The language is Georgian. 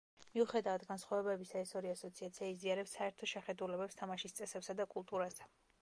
მიუხედავად განსხვავებებისა, ეს ორი ასოციაცია იზიარებს საერთო შეხედულებებს თამაშის წესებსა და კულტურაზე.